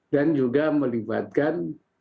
dan juga melibatkan